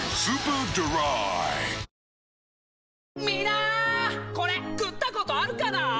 みんなこれ食ったことあるかな？